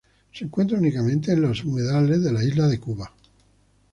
Se encuentra únicamente en los humedales de la isla de Cuba.